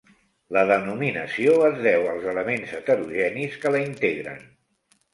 La denominació es deu als elements heterogenis que la integren.